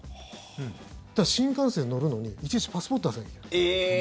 だから新幹線乗るのに、いちいちパスポート出さなきゃいけない。